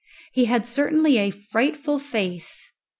He had certainly a frightful face.